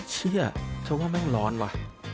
เชื่อฉันว่าแม่งร้อนวะ